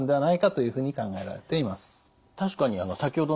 はい。